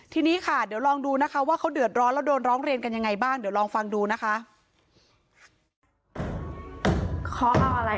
ทีนี้ค่ะเดี๋ยวลองดูนะคะว่าเขาเดือดร้อนแล้วโดนร้องเรียนกันยังไงบ้างเดี๋ยวลองฟังดูนะคะ